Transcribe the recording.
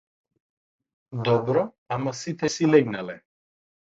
Добро ама сите си легнале.